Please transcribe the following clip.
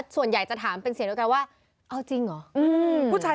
ส่วนใหญ่จะถามเป็นเสียงเดียวกันว่าเอาจริงเหรอ